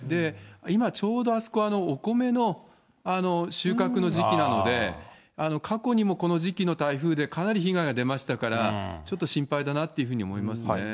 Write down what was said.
今、ちょうどあそこ、お米の収穫の時期なので、過去にもこの時期の台風で、かなり被害が出ましたから、ちょっと心配だなっていうふうに思いますね。